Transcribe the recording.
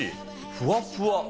ふわふわ。